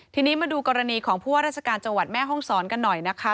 ทีนี้มาดูกรณีของผู้ว่าราชการจังหวัดแม่ห้องศรกันหน่อยนะคะ